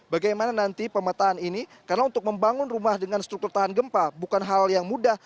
bagaimana nanti pemetaan ini karena untuk membangun rumah dengan struktur tahan gempa bukan hal yang mudah